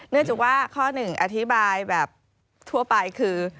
เนื่องจากว่าข้อหนึ่งอธิบายแบบทั่วไปคือ